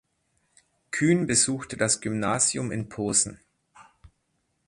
Kühn besuchte das Gymnasium in Posen.